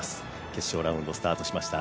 決勝ラウンドスタートしました。